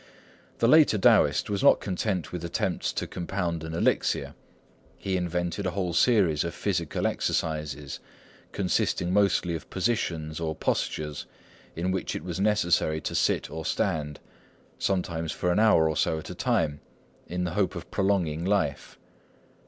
The later Taoist was not content with attempts to compound an elixir. He invented a whole series of physical exercises, consisting mostly of positions, or postures, in which it was necessary to sit or stand, sometimes for an hour or so at a time, in the hope of prolonging life.